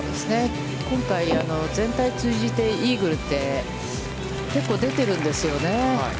今回、全体を通じて、イーグルって、結構出てるんですよね。